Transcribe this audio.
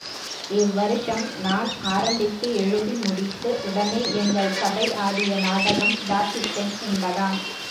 இவ்வருஷம் நான் ஆரம்பித்து எழுதி முடித்து, உடனே எங்கள் சபை ஆடிய நாடகம் தாசிப்பெண் என்பதாம்.